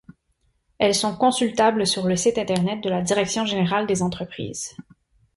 Elles sont consultables sur le site internet de la Direction générale des entreprises.